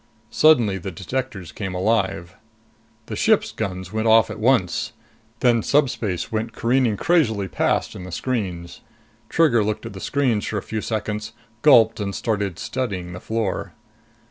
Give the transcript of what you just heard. Suddenly the detectors came alive. The ship's guns went off at once. Then subspace went careening crazily past in the screens. Trigger looked at the screens for a few seconds, gulped and started studying the floor.